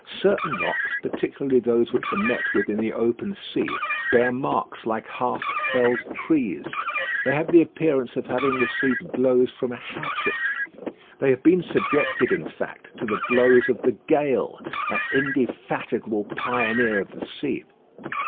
Certain rocks, particularly those which are met with in the open sea, bear marks like half felled trees. They have the appearance of having received blows from a hatchet. They have been subjected, in fact, to the blows of the gale, that indefatigable pioneer of the sea.